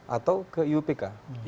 atau ke upk